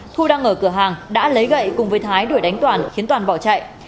thu đang ở cửa hàng đã lấy gậy cùng với thái đuổi đánh toàn khiến toàn bỏ chạy